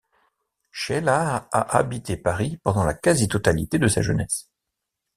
Sheila a habité Paris pendant la quasi-totalité de sa jeunesse.